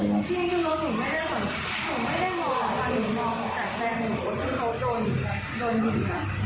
โหถึงเขาโดนหินนะ